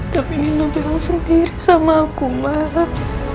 tapi nino bilang sendiri sama aku mak